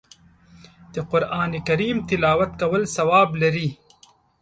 د قرآن کریم تلاوت کول ثواب لري